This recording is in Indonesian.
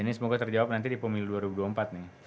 ini semoga terjawab nanti di pemilu dua ribu dua puluh empat nih